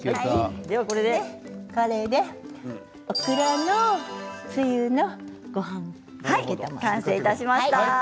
これでオクラのつゆのごはんがけ完成しました。